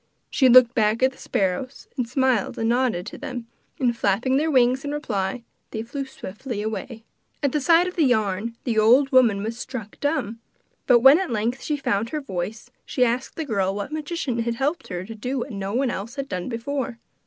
She looked back at the sparrows and smiled and nodded to them, and flapping their wings in reply they flew swiftly away. At the sight of the yarn the old woman was struck dumb; but when at length she found her voice she asked the girl what magician had helped her to do what no one had done before.